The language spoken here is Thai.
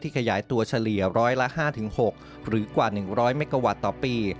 ขยายตัวเฉลี่ยร้อยละ๕๖หรือกว่า๑๐๐เมกาวัตต์ต่อปี